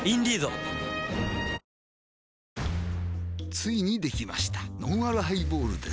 ついにできましたのんあるハイボールです